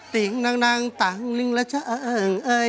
ติ๊งนังนังตังนิงและเช่าเอิงเอย